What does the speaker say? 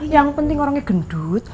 yang penting orangnya gendut